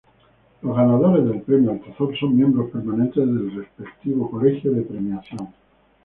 Los ganadores del Premio Altazor son miembros permanentes del respectivo colegio de premiación.